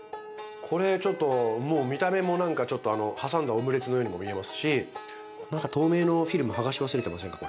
これちょっともう見た目もなんか挟んだオムレツのようにも見えますし何か透明のフィルムはがし忘れてませんか？